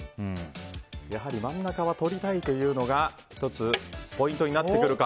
やはり真ん中はとりたいというのが１つポイントになってくるか。